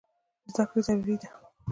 زده کړه ضروري ده.